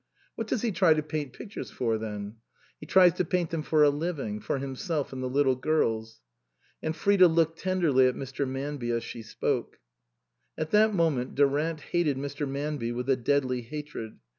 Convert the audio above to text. "What does he try to paint pictures for, then?" " He tries to paint them for a living, for him self and the little girls." And Frida looked tenderly at Mr. Manby as she spoke. At that moment Durant hated Mr. Manby with a deadly hatred.